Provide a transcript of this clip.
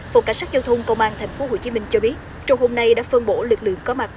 phòng cảnh sát giao thông công an tp hcm cho biết trong hôm nay đã phân bổ lực lượng có mặt